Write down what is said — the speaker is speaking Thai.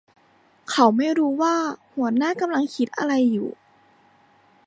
เขาไม่รู้ว่าหัวหน้ากำลังคิดอะไรอยู่